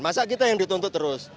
masa kita yang dituntut terus